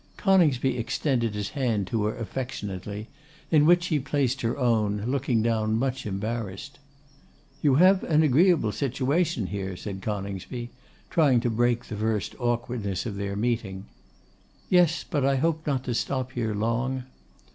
Coningsby extended his hand to her affectionately, in which she placed her own, looking down much embarrassed. 'You have an agreeable situation here,' said Coningsby, trying to break the first awkwardness of their meeting. 'Yes; but I hope not to stop here long?